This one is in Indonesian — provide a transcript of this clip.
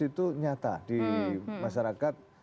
itu nyata di masyarakat